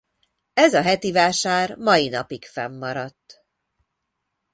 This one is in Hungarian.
Ez a hetivásár mai napig fennmaradt.